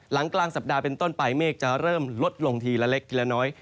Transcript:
หลังกลางสัปดาห์เป็นต้นไปเมฆจะเริ่มลดลงทีละเล็กทีละน้อย